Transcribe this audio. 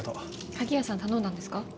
鍵屋さん頼んだんですか？